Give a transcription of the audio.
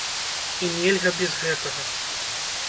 І нельга без гэтага!